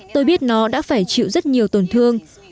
tôi biết nó đã phải chịu rất nhiều tổn thương